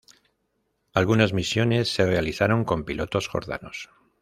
Algunas misiones se realizaron con pilotos jordanos.